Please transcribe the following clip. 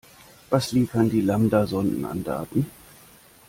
Was liefern die Lambda-Sonden an Daten?